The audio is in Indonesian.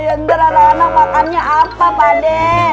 yang teranak anak makannya apa pak dek